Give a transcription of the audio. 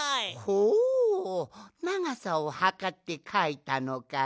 ほうながさをはかってかいたのかね？